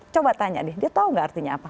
coba tanya deh dia tahu nggak artinya apa